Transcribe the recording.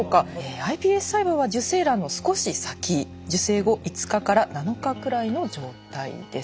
ｉＰＳ細胞は受精卵の少し先受精後５日から７日くらいの状態です。